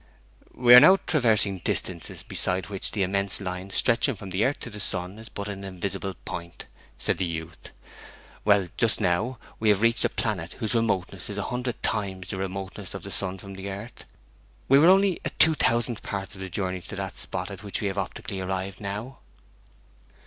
'We are now traversing distances beside which the immense line stretching from the earth to the sun is but an invisible point,' said the youth. 'When, just now, we had reached a planet whose remoteness is a hundred times the remoteness of the sun from the earth, we were only a two thousandth part of the journey to the spot at which we have optically arrived now.'